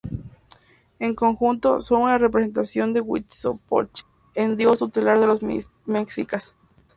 En conjunto, son una representación de Huitzilopochtli, el dios tutelar de los mexicas.